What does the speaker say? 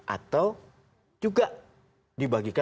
atau juga dibagikan